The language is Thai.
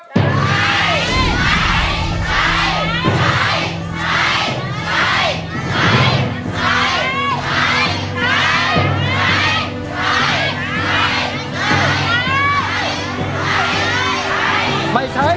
ใช้